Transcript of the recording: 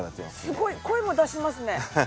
すごい声も出しますね。